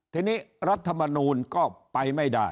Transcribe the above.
ที่นี่รัฐธรรมดูก็ไปไม่ได้